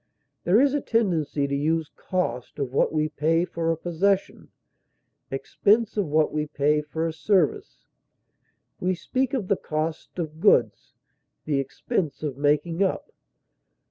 There is a tendency to use cost of what we pay for a possession, expense of what we pay for a service; we speak of the cost of goods, the expense of making up.